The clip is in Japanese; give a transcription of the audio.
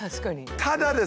ただですね